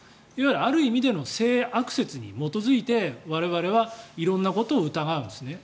ある意味での性悪説に基づいて我々は色んなことを疑うんですね。